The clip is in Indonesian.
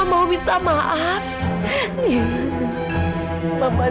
mereka gak tau